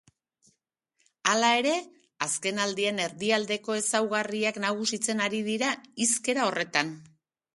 Hala ere, azkenaldian erdialdeko ezaugarriak nagusitzen ari dira hizkera horretan.